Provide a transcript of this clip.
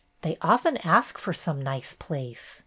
They often ask for some nice place.